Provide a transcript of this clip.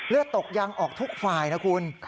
เลือดตกยังออกทุกฝ่ายนะคุณ